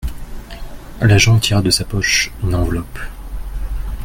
L'agent tira de sa poche une enveloppe.